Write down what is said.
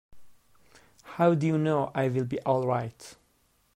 How do you know I'll be all right?